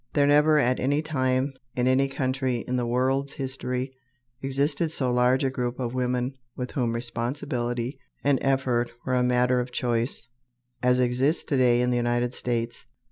There never at any time in any country in the world's history existed so large a group of women with whom responsibility and effort were a matter of choice, as exists to day in the United States.